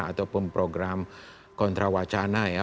ataupun program kontrawacana ya